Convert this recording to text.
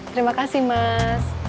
terima kasih mas